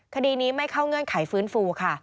คดีนี้ไม่เข้าเงื่อนไขฟื้นฟูค่ะ